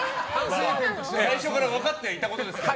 最初から分かってはいたことですから。